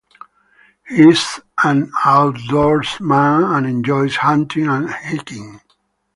He is an outdoorsman and enjoys hunting and hiking.